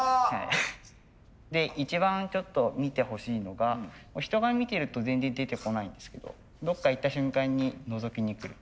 で一番ちょっと見てほしいのが人が見てると全然出てこないんですけどどっか行った瞬間にのぞきにくる。